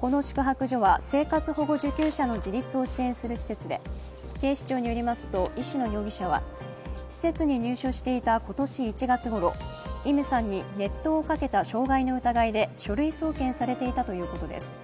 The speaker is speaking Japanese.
この宿泊所は生活保護受給者の自立を支援する施設で石野容疑者は施設に入所していた今年１月ごろ、イムさんに熱湯をかけた傷害の疑いで書類送検されていたということです。